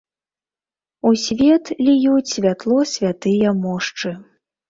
У свет ліюць святло святыя мошчы.